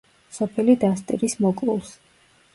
სოფელი დასტირის მოკლულს.